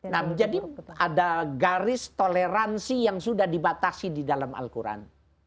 nah jadi ada garis toleransi yang sudah dibatasi di dalam al quran